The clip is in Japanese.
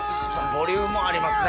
ボリュームありますね。